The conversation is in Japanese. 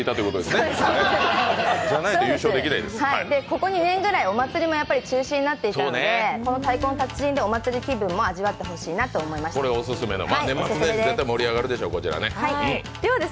ここ２年ぐらいお祭りも中止になってたので太鼓の達人でお祭り気分も味わってほしいなと思いました、オススメです。